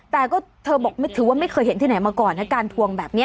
แต่ก็เธอบอกถือว่าไม่เคยเห็นที่ไหนมาก่อนนะการทวงแบบนี้